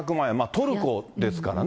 トルコですからね。